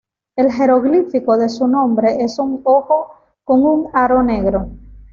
El jeroglífico de su nombre es un ojo con un aro negro.